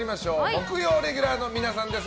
木曜レギュラーの皆さんです。